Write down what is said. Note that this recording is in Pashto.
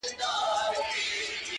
• اوس مي د زړه پر تكه سپينه پاڼه،